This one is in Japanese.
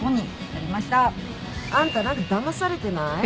あんた何かだまされてない？